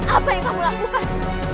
apa yang kamu lakukan